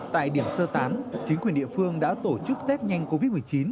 tại điểm sơ tán chính quyền địa phương đã tổ chức tết nhanh covid một mươi chín